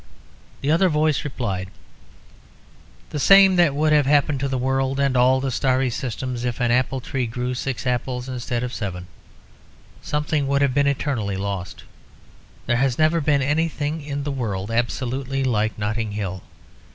The other voice replied "The same that would have happened to the world and all the starry systems if an apple tree grew six apples instead of seven; something would have been eternally lost. There has never been anything in the world absolutely like Notting Hill.